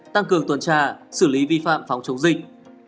tăng cường tuần tra xử lý vi phạm phòng chống dịch